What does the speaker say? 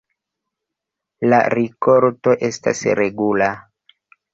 La rikolto estas regula.